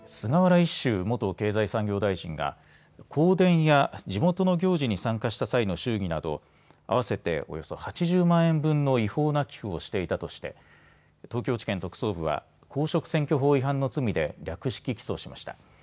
一秀元経済産業大臣が香典や地元の行事に参加した際の祝儀など合わせておよそ８０万円分の違法な寄付をしていたとして東京地検特捜部は公職選挙法違反の罪で略式起訴しました。